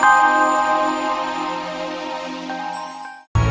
mari nanda prabu